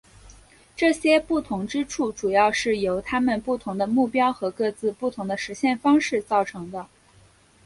这些不同之处主要是由他们不同的目标和各自不同的实现方式造成的。